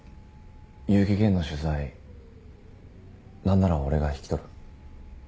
結城玄の取材何なら俺が引き取る。